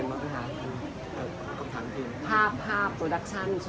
ความพิถีพิถานยังไงบ้าง